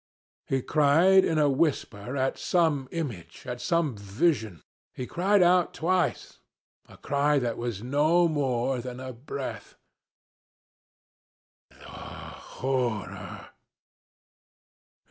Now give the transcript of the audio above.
He cried in a whisper at some image, at some vision, he cried out twice, a cry that was no more than a breath "'The horror!